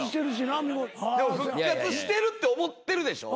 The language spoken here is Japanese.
復活してるって思ってるでしょ？